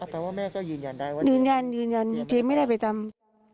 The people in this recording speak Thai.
แต่ว่าแม่ก็ยืนยันได้ว่าเจมส์ยืนยันเจมส์ไม่ได้ไปตาม